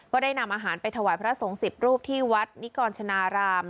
ได้นำอาหารไปถวายพระสงฆ์๑๐รูปที่วัดนิกรชนาราม